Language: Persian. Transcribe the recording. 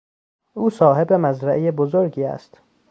او صاحب مزرعهی بزرگی است.